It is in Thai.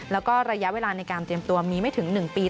แล้วก็ระยะเวลาในการเตรียมตัวมีไม่ถึง๑ปี